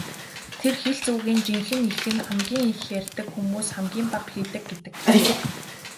Тэр хэлц үгийн жинхэнэ эх нь "хамгийн их ярьдаг хүмүүс хамгийн бага хийдэг" гэдэг.